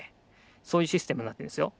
そういうシステムになってるんですよ。